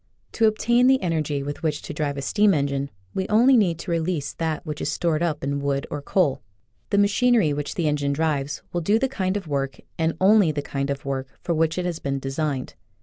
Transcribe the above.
To obtain the energy with which to drive a steam engine we only need to release that which is stored up in wood or coal. The machinery which the engine drives will do the kind of work and only the kind for which it has been designed.